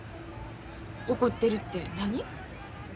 怒ってるって何？